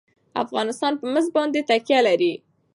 افغانستان په مس باندې تکیه لري.